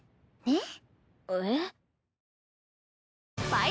えっ？